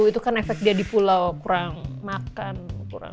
itu kan efek dia di pulau kurang makan kurang